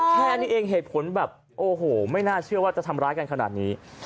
แค่นี้เองเหตุผลแบบโอ้โหไม่น่าเชื่อว่าจะทำร้ายกันขนาดนี้